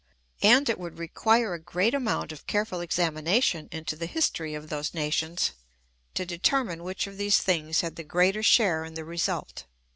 And it would require a great amount of careful examination into the history of those nations to determine which of these things had the greater share in the result.